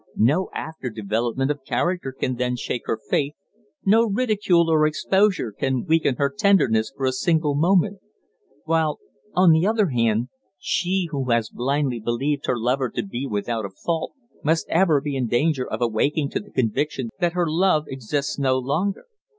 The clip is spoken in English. No after development of character can then shake her faith, no ridicule or exposure can weaken her tenderness for a single moment; while, on the other hand, she who has blindly believed her lover to be without a fault, must ever be in danger of awaking to the conviction that her love exists no longer."